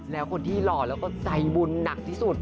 แล้วคนที่หล่อแล้วก็ใจบุญหนักที่สุด